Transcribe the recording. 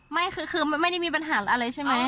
ไม่คือไม่ได้มีปัญหาอะไรใช่ไหม